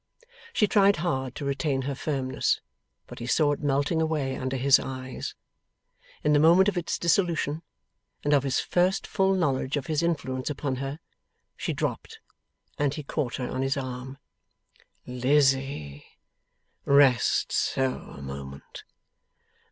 She tried hard to retain her firmness, but he saw it melting away under his eyes. In the moment of its dissolution, and of his first full knowledge of his influence upon her, she dropped, and he caught her on his arm. 'Lizzie! Rest so a moment.